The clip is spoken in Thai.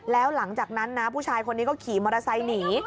แล้วหลังจากนั้นนะผู้ชายคนนี้ก็ขี่มอเตอร์ไซค์หนี